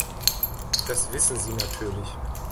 Das wissen Sie natürlich.